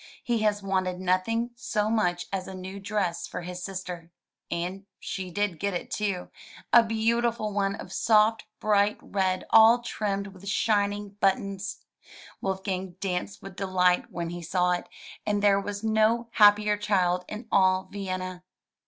"He has wanted nothing so much as a new dress for his sister. And she did get it, too, a beautiful one of soft, bright red, all trimmed with shining buttons. Wolfgang danced with delight when he saw it, and there was no happier child in all Vienna.